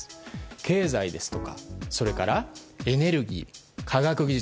経済ですとか、エネルギー科学技術。